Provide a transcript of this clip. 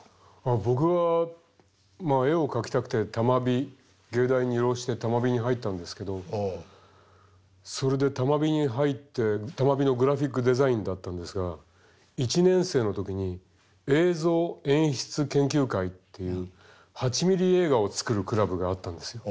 僕は絵を描きたくて多摩美藝大２浪して多摩美に入ったんですけどそれで多摩美に入って多摩美のグラフィックデザインだったんですが１年生の時に映像演出研究会っていう８ミリ映画を作るクラブがあったんですよ。